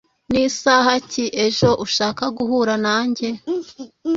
Nisaha ki ejo ushaka guhura nanjye?